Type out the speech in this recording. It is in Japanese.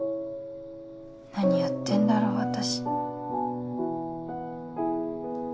何やってんだろう私。